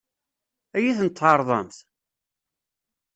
Ad iyi-tent-tɛeṛḍemt?